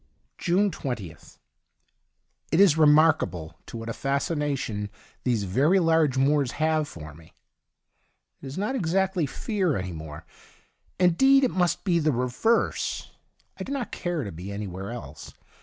June 20th. — It is remarkable what 15 THE DIARY OF A GOD a fascination these very large moors have for me. It is not exactly fear any more — indeed^ it must be the I'evei'se. I do not care to be any where else.